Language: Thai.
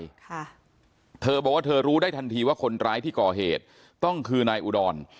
ค่ะเธอบอกว่าเธอรู้ได้ทันทีว่าคนร้ายที่ก่อเหตุต้องคือนายอุดร